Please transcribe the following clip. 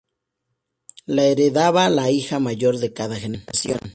La heredaba la hija mayor de cada generación.